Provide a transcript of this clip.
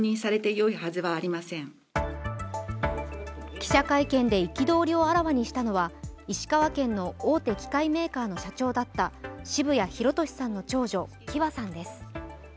記者会見で憤りをあらわにしたのは石川県の大手機械メーカーの社長だった澁谷弘利さんの長女、貴和さんです。